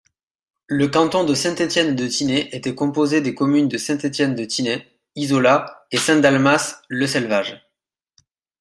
Le canton de Saint-Étienne-de-Tinée était composé des communes de Saint-Étienne-de-Tinée, Isola et Saint-Dalmas-le-Selvage.